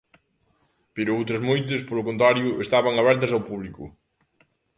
Pero outras moitas, polo contrario, estaban abertas ao público.